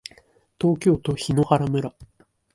東京都檜原村